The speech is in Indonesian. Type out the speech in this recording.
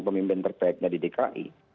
pemimpin terbaiknya di dki